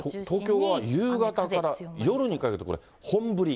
東京は夕方から夜にかけてこれ、本降り。